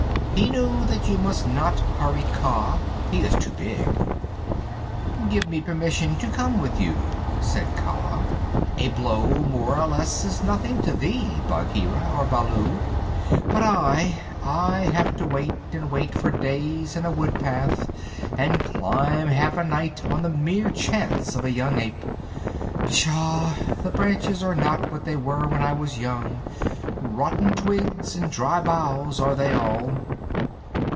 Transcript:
He knew that you must not hurry Kaa. He is too big. "Give me permission to come with you," said Kaa. "A blow more or less is nothing to thee, Bagheera or Baloo, but I I have to wait and wait for days in a wood path and climb half a night on the mere chance of a young ape. Psshaw! The branches are not what they were when I was young. Rotten twigs and dry boughs are they all."